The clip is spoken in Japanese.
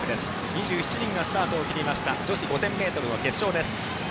２７人がスタートを切りました女子５０００ｍの決勝です。